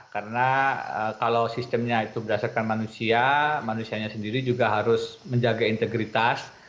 karena kalau sistemnya itu berdasarkan manusia manusianya sendiri juga harus menjaga integritas